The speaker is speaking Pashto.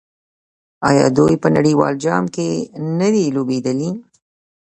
آیا دوی په نړیوال جام کې نه دي لوبېدلي؟